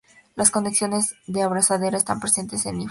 Las conexiones de abrazadera están presentes en hifas.